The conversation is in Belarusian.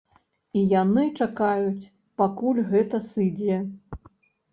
І яны чакаюць, пакуль гэта сыдзе.